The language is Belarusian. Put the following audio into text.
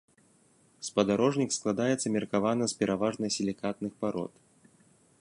Спадарожнік складаецца меркавана з пераважна сілікатных парод.